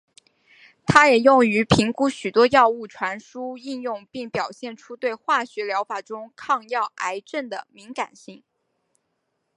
它也用于评估许多药物传输应用并表现出对化学疗法中抗药癌症的敏感性。